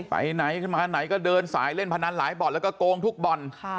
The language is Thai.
ไปไหนขึ้นมาไหนก็เดินสายเล่นพนันหลายบ่อนแล้วก็โกงทุกบ่อน